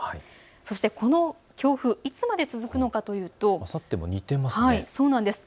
そしてこの強風、いつまで続くかというと、あさっても似ていますね。